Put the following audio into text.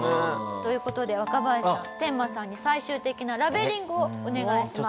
という事で若林さんテンマさんに最終的なラベリングをお願いします。